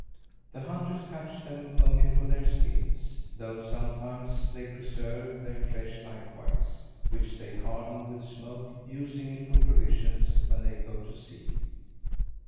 The hunters catch them only for their skins, though sometimes they preserve their flesh likewise, which they harden with smoke, using it for provisions when they go to sea.